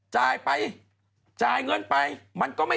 จากกระแสของละครกรุเปสันนิวาสนะฮะ